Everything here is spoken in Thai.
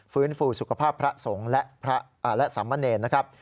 ฟื้นฟูสุขภาพพระสงฆ์และสามเณรนะครับ